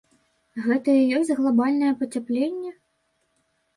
Гэта і ёсць глабальнае пацяпленне?